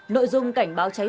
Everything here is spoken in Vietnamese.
nội dung cảnh báo cho biết